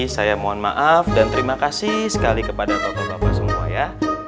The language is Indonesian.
saya mohon maaf dan terima kasih sekali kepada tokoh bapak semua ya